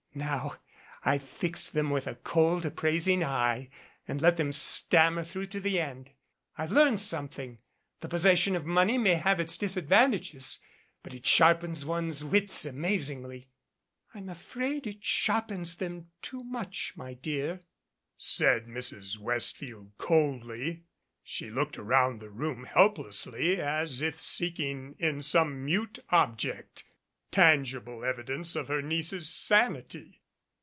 Now I fix them with a cold appraising eye and let them stammer through to the end. I've learned something. The pos session of money may have its disadvantages, but it sharp ens one's wits amazingly." "I'm afraid it sharpens them too much, my dear," said Mrs. Westfield coldly. She looked around the room help lessly as if seeking in some mute object tangible evidence of her niece's sanity.